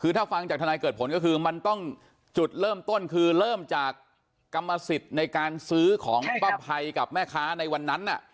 คือถ้าฟังจากทนายเกิดผลก็คือมันต้องจุดเริ่มต้นคือเริ่มจากกรรมสิทธิ์ในการซื้อของป้าภัยกับแม่ค้าในวันนั้น